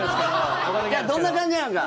どんな感じなのか。